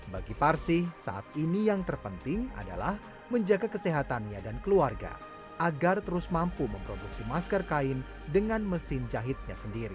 bagi parsih saat ini yang terpenting adalah menjaga kesehatannya dan keluarga agar terus mampu memproduksi masker kain dengan mesin jahitnya sendiri